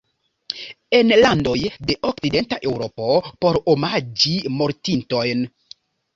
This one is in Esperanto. En landoj de Okcidenta Eŭropo por omaĝi mortintojn.